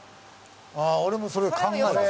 ああ俺もそれ考えた。